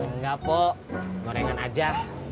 nggak pok norengan aja